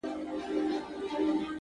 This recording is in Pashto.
• اوس يې صرف غزل لولم، زما لونگ مړ دی،